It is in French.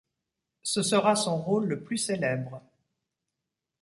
Ce sera son rôle le plus célèbre.